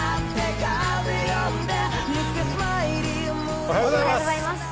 おはようございます。